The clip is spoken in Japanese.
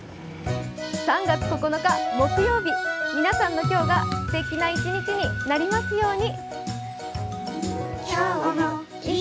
３月９日木曜日皆さんの今日がすてきな一日になりますように。